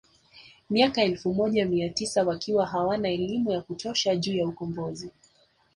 Miaka ya elfu moja mia tisa wakiwa hawana elimu ya kutosha juu ya ukombozi